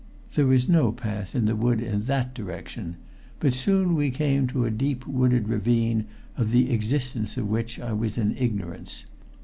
There was no path in the wood in that direction, but soon we came to a deep wooded ravine of the existence of which I was in ignorance.